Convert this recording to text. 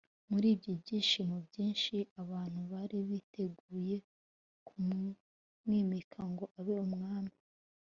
muri ibyo byishimo byinshi abantu bari biteguye kumwimika ngo abe umwami